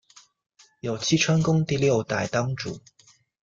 有栖川宫第六代当主。